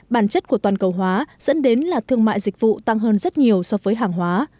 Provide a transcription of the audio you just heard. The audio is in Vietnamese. bản chất của toàn cầu hóa dẫn đến là thương mại dịch vụ tăng hơn rất nhiều so với hàng hóa